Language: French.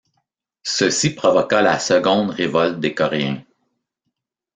Ceci provoqua la seconde révolte des Coréens.